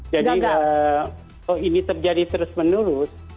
jadi kalau ini terjadi terus menurut